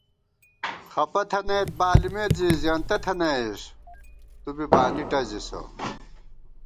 خپہ تھنَئیت بانِمېت زی زېنتہ تھنَئیس، تُو بی بانی ٹَزِسہ